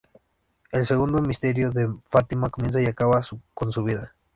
El "Segundo Misterio de Fátima" comienza y acaba con su vida.